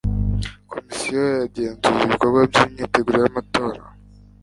komisiyo yagenzuye ibikorwa by imyiteguro y amatora